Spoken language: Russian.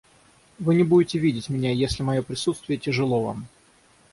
Вы не будете видеть меня, если мое присутствие тяжело вам.